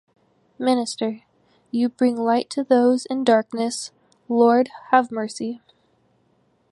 Minister: You bring light to those in darkness: Lord, have mercy.